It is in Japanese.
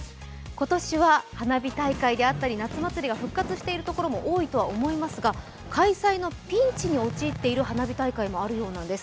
今年は花火大会であったり夏祭りが復活しているところも多いとは思いますが、開催のピンチに陥っている花火大会もあるようなんです。